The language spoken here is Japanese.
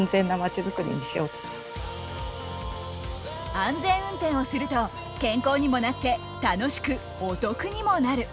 安全運転をすると健康にもなって楽しくお得にもなる。